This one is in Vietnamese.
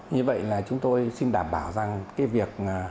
như vậy là chúng tôi xin đảm bảo rằng cái việc